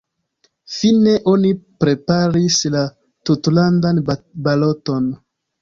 Fine oni preparis la tutlandan baloton.